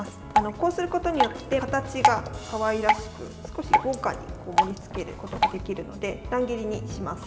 こうすることによって形がかわいらしく、少し豪華に盛りつけることができるので乱切りにします。